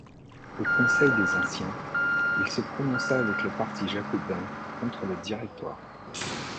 Au Conseil des Anciens, il se prononça avec le parti jacobin contre le Directoire.